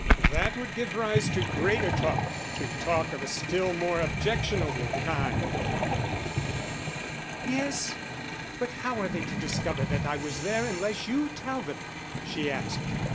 That would give rise to greater talk to talk of a still more objectionable kind." "Yes; but how are they to discover that I was there unless you tell them?" she asked.